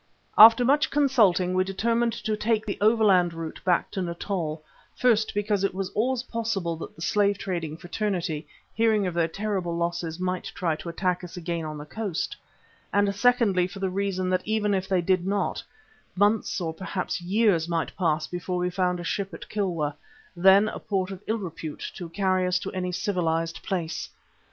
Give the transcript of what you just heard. After much consulting we determined to take the overland route back to Natal, first because it was always possible that the slave trading fraternity, hearing of their terrible losses, might try to attack us again on the coast, and secondly for the reason that even if they did not, months or perhaps years might pass before we found a ship at Kilwa, then a port of ill repute, to carry us to any civilized place.